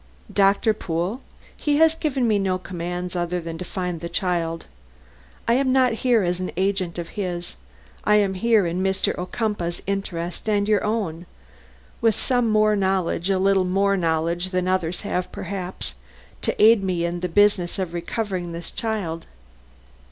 "Doctor Pool? He has given me no commands other than to find the child. I am not here as an agent of his. I am here in Mr. Ocumpaugh's interest and your own; with some knowledge a little more knowledge than others have perhaps to aid me in the business of recovering this child.